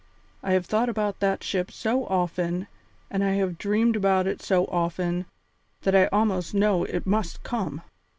I have thought about that ship so often and I have dreamed about it so often that I almost know it must come."